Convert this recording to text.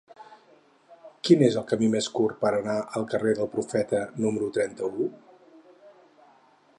Quin és el camí més curt per anar al carrer del Profeta número trenta-u?